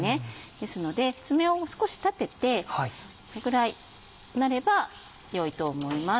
ですので爪を少し立ててこれぐらいになれば良いと思います。